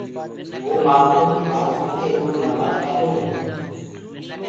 وو مآلکو ڪي ٻآت سُڻ ڪي اِتر نآرآج ڪآلي هوُرو۔